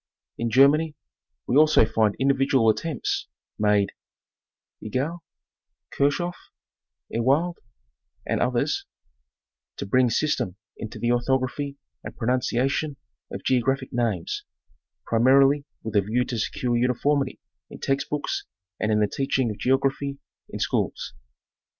In Germany, we also find individual attempts made (Egli, Kirchhoff, Ewald and others) to bring system into the orthog raphy and pronunciation of geographic names, primarily with a view to secure uniformity in text books and in the teaching of geography in schools.